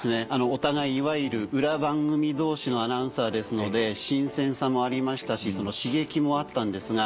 お互いいわゆる裏番組同士のアナウンサーですので新鮮さもありましたし刺激もあったんですが。